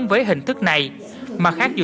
với hình thức này mà khác dù